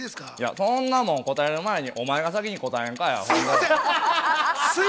そんなもん、答える前にお前が先に答えんかい！